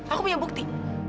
aku punya bukti